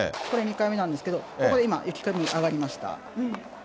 これ、２回目なんですけど、これ今、１回目上がりました。